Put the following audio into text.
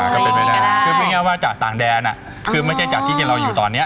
ก็เป็นไปได้คือไม่งั้นว่าจากต่างแดนอ่ะคือไม่ใช่จากที่เราอยู่ตอนเนี้ย